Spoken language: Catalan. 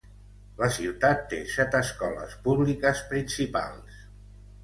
La ciutat té set escoles públiques principals.